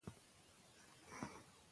د الله اکبر ناره به بیا سوې وه.